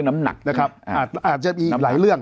อาจจะมีหลายเรื่อง